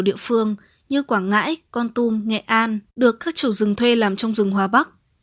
địa phương như quảng ngãi con tum nghệ an được các chủ rừng thuê làm trong rừng hòa bắc